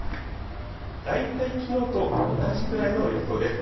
大体きのうと同じくらいの予想です。